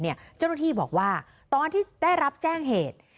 เจ้าหน้าที่บอกว่าตอนที่ได้รับแจ้งเหตุ